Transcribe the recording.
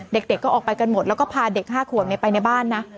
เด็กก็ออกไปกันหมดแล้วก็พาเด็ก๕ขวบไปในบ้านนะ